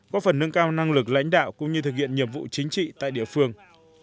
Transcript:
có phần nâng cao năng lực lãnh đạo cũng như thực hiện nhiệm vụ chính trị tại địa phương